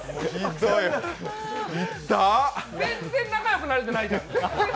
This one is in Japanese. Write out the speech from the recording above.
全然仲良くなれてないじゃん。